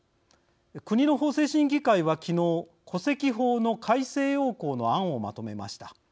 国の法制審議会は昨日戸籍法の改正要綱の案をまとめました。